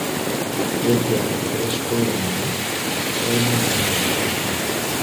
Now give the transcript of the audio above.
Yajjanga ku leesitulanta nga talina na kyayagala.